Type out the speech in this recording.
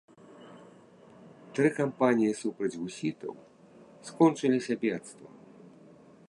Тры кампаніі супраць гусітаў, скончыліся бедствам.